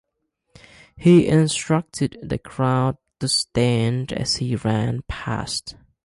He instructed the crowd to stand as he ran past.